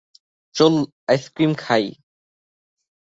চল আইসক্রিম খাই।